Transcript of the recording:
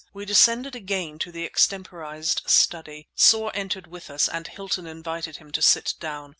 We descended again to the extemporized study. Soar entered with us and Hilton invited him to sit down.